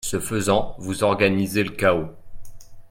Ce faisant, vous organisez le chaos